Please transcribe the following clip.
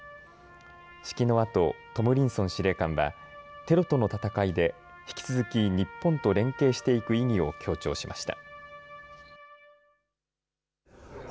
式のあとトムリンソン司令官はテロとの戦いで引き続き日本と連携していく意義を強調しました。